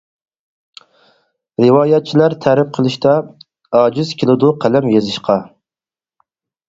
رىۋايەتچىلەر تەرىپ قىلىشتا، ئاجىز كېلىدۇ قەلەم يېزىشقا.